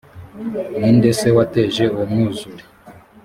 ni nde se wateje uwo mwuzure